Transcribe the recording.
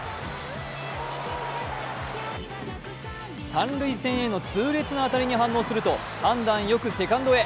三塁線への痛烈な当たりに反応すると、判断よくセカンドへ。